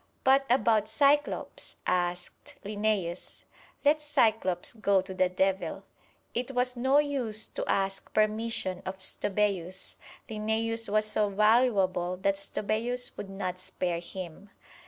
"But about Cyclops?" asked Linnæus. "Let Cyclops go to the devil!" It was no use to ask permission of Stobæus. Linnæus was so valuable that Stobæus would not spare him.